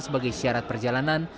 sebagai syarat perjalanan